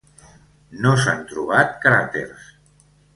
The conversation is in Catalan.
No s'han trobat cràters.